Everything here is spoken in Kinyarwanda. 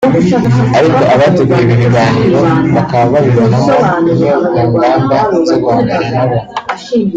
ariko abateguye ibi biganiro bakaba babibonamo imwe mu ngamba zo guhangana na bo